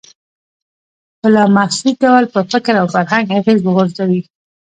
په لا محسوس ډول پر فکر او فرهنګ اغېز وغورځوي.